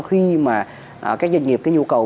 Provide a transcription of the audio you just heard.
khi mà các doanh nghiệp nhu cầu